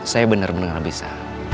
saya bener bener gak bisa